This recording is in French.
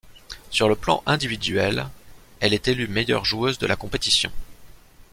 Sur le plan individuel, elle est élue meilleure joueuse de la compétition.